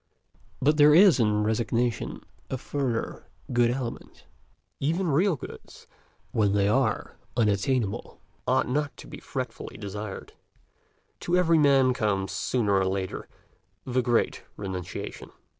But there is in resignation a further good element: even real goods, when they are unattainable, ought not to be fretfully desired. To every man comes, sooner or later, the great renunciation.